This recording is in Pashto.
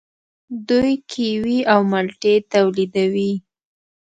دوی کیوي او مالټې تولیدوي.